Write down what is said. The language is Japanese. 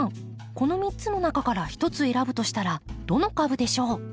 この３つの中から１つ選ぶとしたらどの株でしょう？